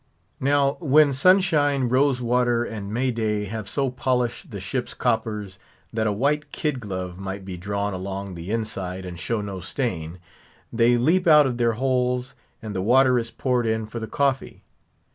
Now, when Sunshine, Rose water, and May day have so polished the ship's coppers, that a white kid glove might be drawn along the inside and show no stain, they leap out of their holes, and the water is poured in for the coffee.